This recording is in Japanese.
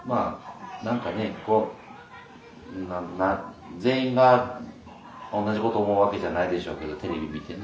こう全員が同じこと思うわけじゃないでしょうけどテレビ見てね。